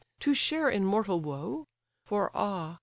to share in mortal woe? For ah!